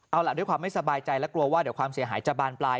เอาล่ะด้วยความไม่สบายใจและกลัวว่าเดี๋ยวความเสียหายจะบานปลาย